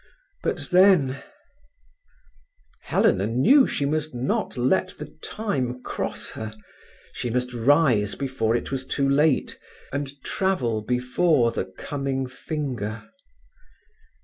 But then … Helena knew she must not let the time cross her; she must rise before it was too late, and travel before the coming finger.